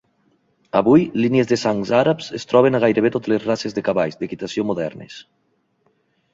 Avui, línies de sang àrabs es troben a gairebé totes les races de cavalls d'equitació modernes.